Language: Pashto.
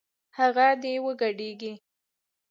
هغه دې وګډېږي